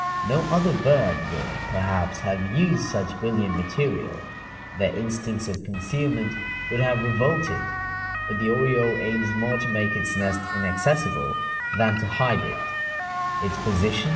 No other bird would, perhaps, have used such brilliant material; their instincts of concealment would have revolted, but the oriole aims more to make its nest inaccessible than to hide it.